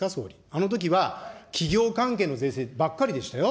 あのときは、企業関係の税制ばっかりでしたよ。